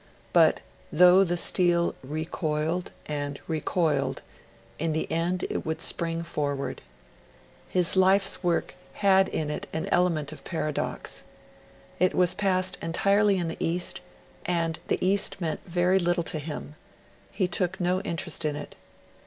But, though the steel recoiled and recoiled, in the end it would spring forward. His life's work had in it an element of paradox. It was passed entirely in the East; and the East meant very little to him; he took no interest in it.